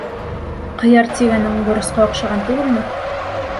— Ҡыяр тигәнең боросҡа оҡшаған түгелме?